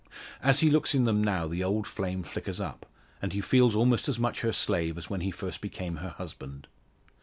As he looks in them now, the old flame flickers up, and he feels almost as much her slave as when he first became her husband.